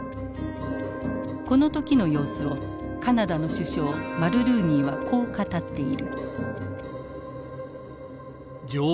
この時の様子をカナダの首相マルルーニーはこう語っている。